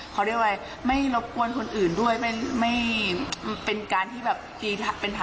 พอเรียกว่าไม่รบกวนคนอื่นด้วยเป็นทางที่โอเคที่สุดแล้วค่ะ